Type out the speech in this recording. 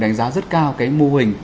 đánh giá rất cao cái mô hình